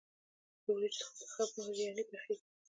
له وریجو څخه ترخه بریاني پخیږي.